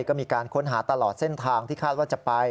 ก็มีการค้นหาตลอดเส้นทางที่คาดว่าจะไป